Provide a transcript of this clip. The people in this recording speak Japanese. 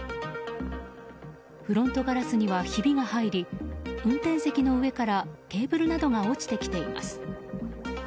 フロントガラスにはひびが入り運転席の上からケーブルなどが落ちてきています。